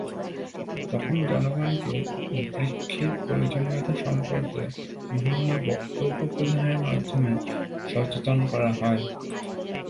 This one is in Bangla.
তখন জনগণকে বৃক্ষের প্রয়োজনীয়তা সম্পর্কে বিভিন্ন বক্তব্য প্রদানের মাধ্যমে সচেতন করা হয়।